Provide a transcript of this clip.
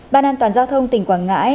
ban an toàn giao thông tỉnh quảng ngãi